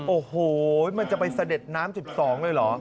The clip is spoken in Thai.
โอ้โหมันจะไปเสด็จน้ำ๑๒เลยเหรอ